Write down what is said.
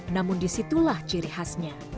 namun disitulah ciri khasnya